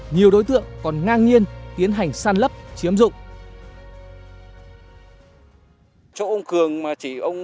nhiều đối tượng còn ngang nhiên tiến hành săn lấp chiếm dụng